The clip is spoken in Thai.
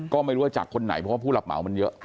ก็ไม่รู้ว่าจากคนไหนเพราะว่าผู้รับเหมามันเยอะ